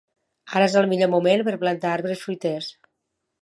Ara és el millor moment per plantar arbres fruiters.